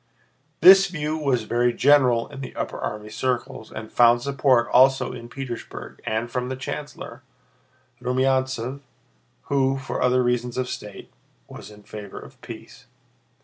This view was very general in the upper army circles and found support also in Petersburg and from the chancellor, Rumyántsev, who, for other reasons of state, was in favor of peace.